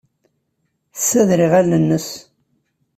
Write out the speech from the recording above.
Tessader iɣallen-nnes.